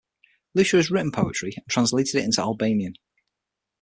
Lusha has written poetry and translated it into Albanian.